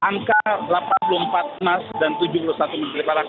angka delapan puluh empat emas dan tujuh puluh satu medali perak